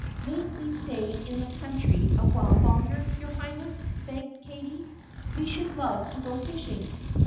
"May n't we stay in the country a while longer, your High ness 4 ?" begged Katie. "We should love to go fishing."